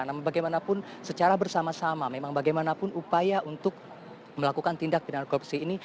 namun bagaimanapun secara bersama sama memang bagaimanapun upaya untuk melakukan tindak pidana korupsi ini